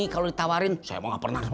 kalau ditawarin saya mau nggak pernah